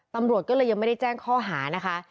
ตำรวจก็เลยยังไม่ได้แจ้งข้อหานะคะ